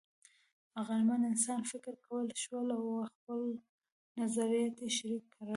د عقلمن انسانان فکر کولی شول او خپل نظریات یې شریک کړل.